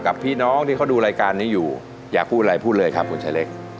กับพี่น้องที่เขาดูรายการนี้อยู่อยากพูดอะไรพูดเลยครับคุณชายเล็ก